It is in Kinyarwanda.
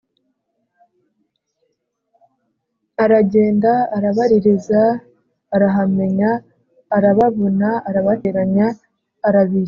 aragenda, arabaririza, arahamenya 'arababona arabateranya, arabishyuza.